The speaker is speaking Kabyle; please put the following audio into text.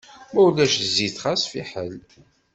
Ma ulac zzit xas fiḥel.